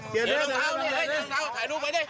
เกือบแล้วนะ